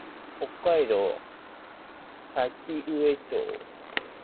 北海道滝上町